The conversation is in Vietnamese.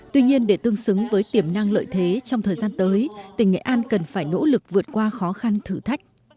tuy nhiên để tương xứng với tiềm năng lợi thế trong thời gian tới tỉnh nghệ an cần phải nỗ lực vượt qua khó khăn thử thách